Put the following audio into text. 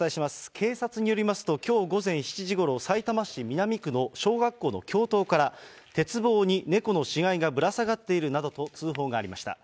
警察によりますと、きょう午前７時ごろ、さいたま市南区の小学校の教頭から、鉄棒に猫の死骸がぶら下がっているなどと通報がありました。